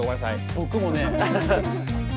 僕もね。